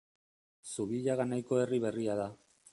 Zubillaga nahiko herri berria da.